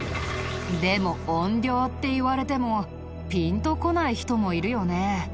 でも怨霊って言われてもピンとこない人もいるよね。